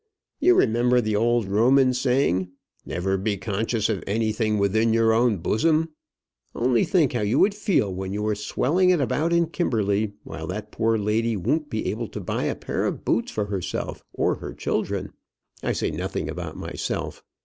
You remember the old Roman saying, 'Never be conscious of anything within your own bosom.' Only think how you would feel when you were swelling it about in Kimberley, while that poor lady won't be able to buy a pair of boots for herself or her children. I say nothing about myself.